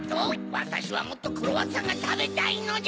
わたしはもっとクロワッサンがたべたいのじゃ！